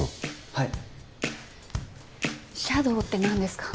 はい。